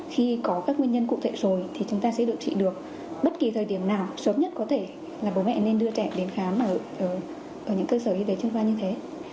khi có các nguyên nhân cụ thể rồi thì chúng ta sẽ điều trị được bất kỳ thời điểm nào sớm nhất có thể là bố mẹ nên đưa trẻ đến khám ở những cơ sở y tế chuyên khoa như thế